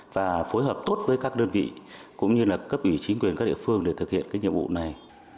và phối hợp tốt với các đơn vị cũng như là cấp ủy chính quyền các địa phương để thực hiện cái nhiệm vụ này